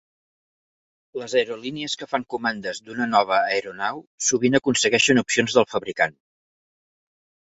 Les aerolínies que fan comandes d'una nova aeronau sovint aconsegueixen opcions del fabricant.